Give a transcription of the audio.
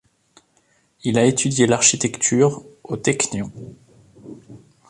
Il a étudié l'architecture au Technion.